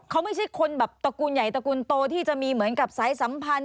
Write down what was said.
เขาไม่ใช่คนแบบตระกูลใหญ่ตระกูลโตที่จะมีเหมือนกับสายสัมพันธ์